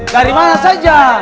dari mana saja